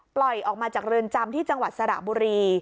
ปล่อยออกมาจากเรือนจำที่จังหวัดสระบุรี